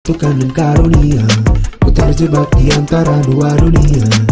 tukang dan karunia putar jebak diantara dua dunia